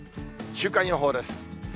週間予報です。